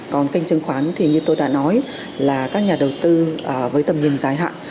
còn kênh chứng khoán thì như tôi đã nói là các nhà đầu tư với tầm nhìn dài hạn